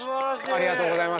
ありがとうございます。